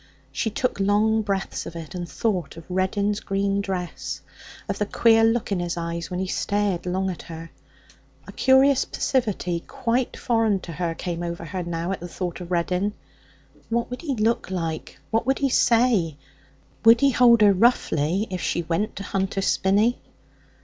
She took long breaths of it, and thought of Reddin's green dress, of the queer look in his eyes when he stared long at her. A curious passivity quite foreign to her came over her now at the thought of Reddin. What would he look like, what would he say, would he hold her roughly, if she went to Hunter's Spinney?